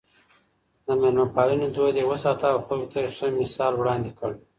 د مېلمه پالنې دود يې وساته او خلکو ته يې ښه مثال وړاندې کړ.